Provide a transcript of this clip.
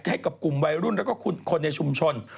ให้กับกลุ่มวัยรุ่นแล้วก็คนในชุมชน